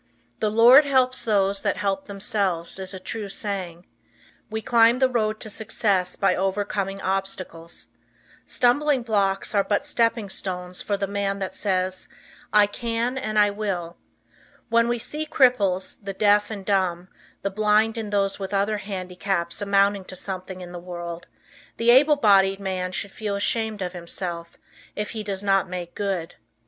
"The Lord helps those that help themselves," is a true saying. We climb the road to success by overcoming obstacles. Stumbling blocks are but stepping stones for the man that says, "I can and I Will." When we see cripples, the deaf and dumb, the blind and those with other handicaps amounting to something in the world, the able bodied man should feel ashamed of himself if he does not make good.